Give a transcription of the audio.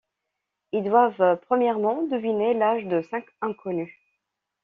Ils doivent premièrement deviner l'âge de cinq inconnus.